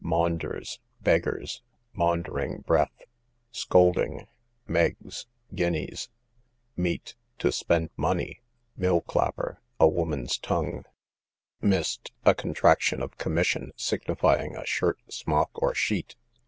Maunders, beggars. Maundering breath, scolding. Meggs, guineas. Meet, to spend money. Millclapper, a woman's tongue. Mist, a contraction of commission, signifying a shirt, smock or sheet.